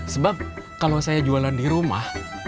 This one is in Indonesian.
sebab kalau saya jualan di rumah